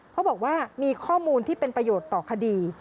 เขาบอกว่ามีข้อมูลที่เป็นประโยชน์ต่อคดี